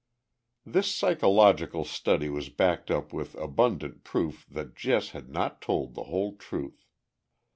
This psychological study was backed up with abundant proof that Jess had not told the whole truth.